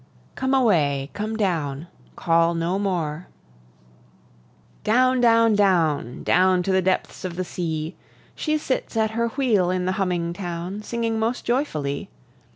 Come away, come down, call no more! Down, down, down! Down to the depths of the sea! She sits at her wheel in the humming town, Singing most joyfully.